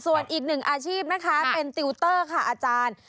ส่วนอีกหนึ่งอาชีพนะคะเป็นติวเตอร์ค่ะอาจารย์